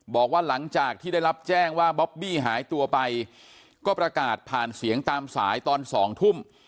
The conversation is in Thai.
บอกว่าหลังจากที่ได้รับแจ้งว่าบ๊อบบี้หายตัวไปก็ประกาศผ่านเสียงตามสายตอน๒ทุ่ม